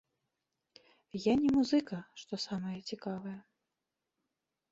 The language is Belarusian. Я не музыка, што самае цікавае.